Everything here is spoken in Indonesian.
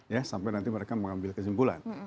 ya sampai nanti mereka mengambil kesimpulan